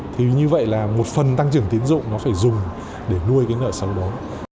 thì như vậy là một phần tăng trưởng tiến dụng nó phải dùng để nuôi cái nợ xấu đó